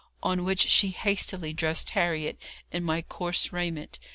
On which she hastily dressed Harriet in my coarse raiment.